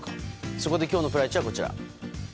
そこで今日のプライチは、こちら。